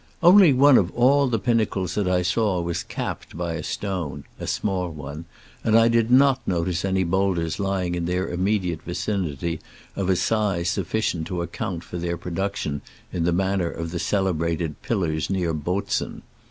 Only one of all the pinnacles that I saw was capped by a stone (a small one), and I did not notice any boulders lying in their immediate vicinity of a size sufficient to account for their production in the man ner of the celebrated pillars near Botzen.